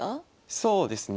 そうですね。